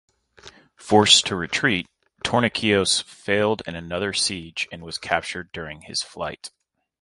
Forced to retreat, Tornikios failed in another siege and was captured during his flight.